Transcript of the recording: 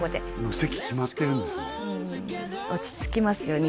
うん落ち着きますよね